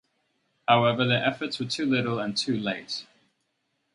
However, the efforts were too little and too late.